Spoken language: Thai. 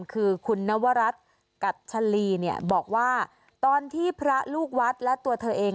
คือคุณนวรัฐกัชลีเนี่ยบอกว่าตอนที่พระลูกวัดและตัวเธอเอง